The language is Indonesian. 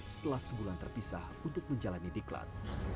setelah sebulan terpisah untuk menjalani diklat